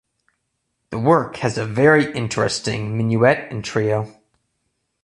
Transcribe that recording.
The work has a very interesting minuet and trio.